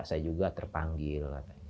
saya juga terpanggil